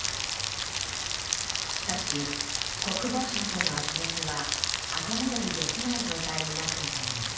しかし、国防省との軋轢は後戻りできない状態になっていたようです。